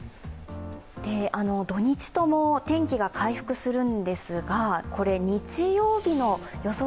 土日とも、天気が回復するんですが日曜日の予想